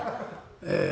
ええ。